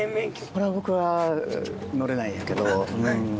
これは僕は乗れないんやけど。